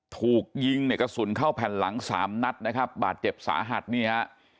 ถูกยิงเนี่ยกระสุนเข้าแผ่นหลังสามนัดนะครับบาดเจ็บสาหัสนี่ฮะ